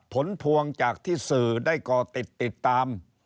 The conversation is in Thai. ผลพวงจากที่สื่อได้ก่อติดติดตาม